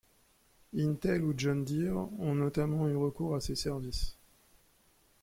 Intel ou John Deere ont notamment eu recours à ses services.